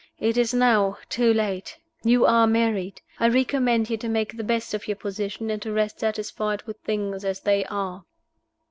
It is now too late. You are married. I recommend you to make the best of your position, and to rest satisfied with things as they are."